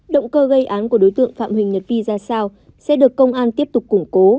động cơ gây án của đối tượng phạm huỳnh nhật vi ra sao sẽ được công an tiếp tục củng cố